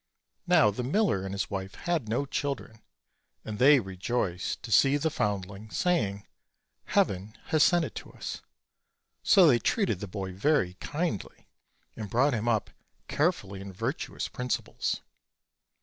Now the miller and his wife had no children, and they rejoiced to see the foundling, saying: "Heaven has sent it to us;" so they treated the boy very kindly, and brought him up carefully in virtu ous principles.